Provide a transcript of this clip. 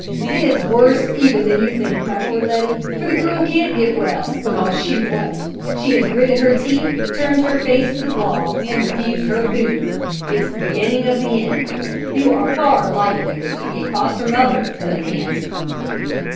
"It's worse even than you think, my poor Letty, for the girl can't get well, because she won't! She has gritted her teeth, turned her face to the wall, and refused her food. It's the beginning of the end. You are far likelier to be a foster mother than an aunt!"